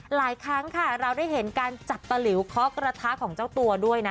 หลายครั้งค่ะเราได้เห็นการจับตะหลิวเคาะกระทะของเจ้าตัวด้วยนะ